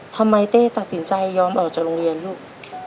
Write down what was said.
เต้ตัดสินใจยอมออกจากโรงเรียนลูก